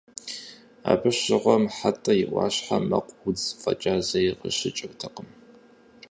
Абы щыгъуэм Хьэтӏэ и ӏуащхьэм мэкъу, удз фӏэкӏа зыри къыщыкӏыртэкъым.